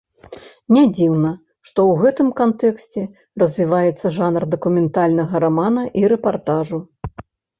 Нядзіўна, што ў гэтым кантэксце развіваецца жанр дакументальнага рамана і рэпартажу.